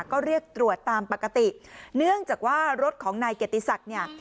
ก็เรียกตรวจตามปกติเนื่องจากว่ารถของนายเกียรติศักดิ์เนี่ย